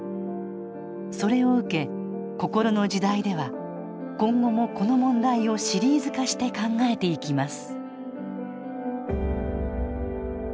それを受け「こころの時代」では今後もこの問題をシリーズ化して考えていきます